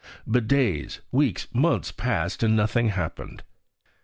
But days, weeks, months passed, and nothing happened.